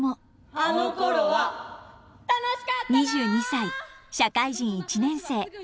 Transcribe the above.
２２歳社会人１年生。